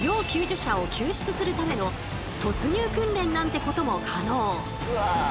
救助者を救出するための突入訓練なんてことも可能。